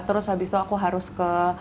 terus habis itu aku harus ke